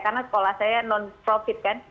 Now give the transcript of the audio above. karena sekolah saya non profit kan